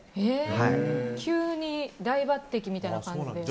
急に大抜擢みたいな感じで。